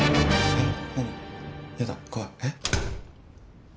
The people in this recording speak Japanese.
えっ？